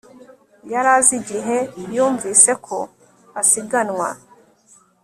yari azi igihe yumvise ko asiganwa